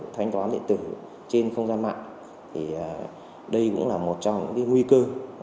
thanh toán điện tử trên không gian mạng đây cũng là một trong những nguy cơ